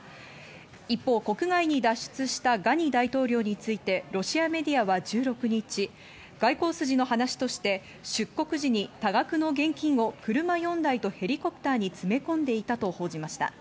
一方、国外に脱出したガニ大統領についてロシアメディアは１６日、外交筋の話として出国時に多額の現金を車４台とヘリコプターに詰め込んでいたと報じました。